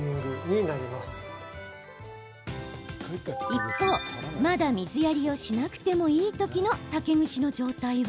一方、まだ水やりをしなくてもいい時の竹串の状態は。